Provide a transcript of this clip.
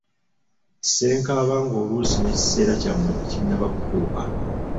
Ssenkaaba ng'oluusi n'ekiseera kyammwe tekinnaba kutuuka.